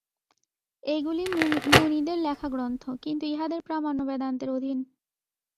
এইগুলি মুনিদের লেখা গ্রন্থ, কিন্তু ইহাদের প্রামাণ্য বেদান্তের অধীন।